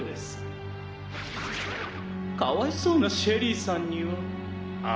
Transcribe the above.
「かわいそうなシェリイさんにはあ